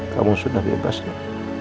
kamu sudah bebas nak